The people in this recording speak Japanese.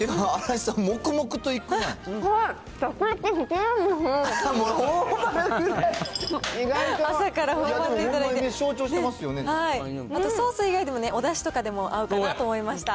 あとソース以外でも、おだしとかでも合うかなと思いました。